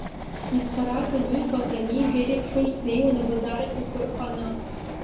Изхара акранифа, акранижә Ерих Шульц днеиуан абазар ахь ихы рханы.